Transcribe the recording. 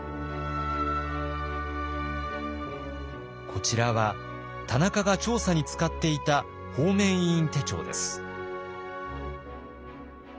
こちらは田中が調査に使っていた方面委員手帳です。